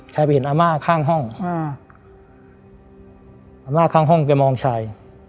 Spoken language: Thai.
ไปเห็นอาม่าข้างห้องอาม่าข้างห้องแกมองชาย